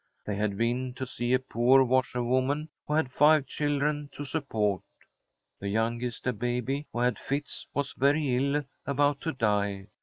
They had been to see a poor washerwoman who had five children to support. The youngest, a baby who had fits, was very ill, about to die.